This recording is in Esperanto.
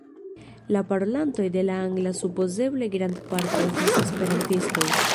La parolantoj de la angla supozeble grandparte estas esperantistoj.